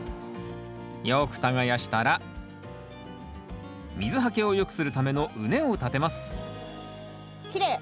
よく耕したら水はけを良くするための畝を立てますきれい！